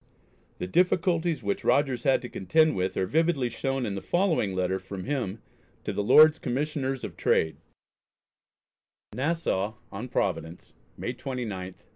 The difficulties which Rogers had to contend with are vividly shown in the following letter from him to the Lords Commissioners of Trade: NASSAU ON PROVIDENCE, May 29, 1719.